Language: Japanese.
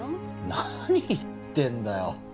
何言ってんだよ